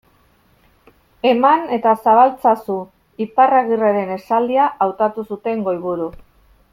Eman eta zabal ezazu, Iparragirreren esaldia, hautatu zuten goiburu.